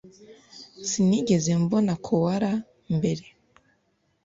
Sinigeze mbona koala mbere